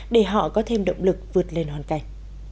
để họ có thêm động lực vượt lên hoàn cảnh